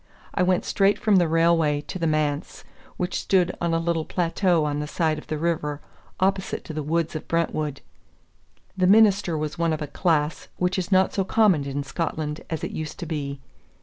I went straight from the railway to the manse, which stood on a little plateau on the side of the river opposite to the woods of Brentwood. The minister was one of a class which is not so common in Scotland as it used to be.